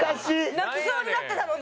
泣きそうになってたのに。